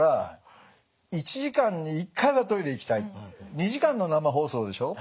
２時間の生放送でしょ。